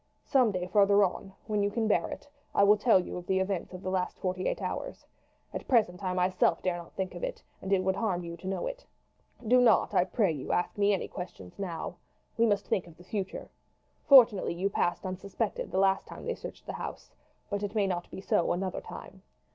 Some day farther on, when you can bear it, I will tell you of the events of the last forty eight hours. At present I myself dare not think of it, and it would harm you to know it. "Do not, I pray you, ask me any questions now. We must think of the future. Fortunately you passed unsuspected the last time they searched the house; but it may not be so another time.